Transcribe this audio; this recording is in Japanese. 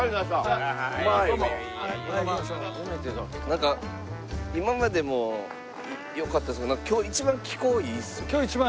なんか今までもよかったですけど今日一番いい。